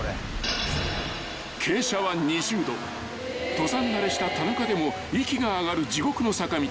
［登山慣れした田中でも息が上がる地獄の坂道］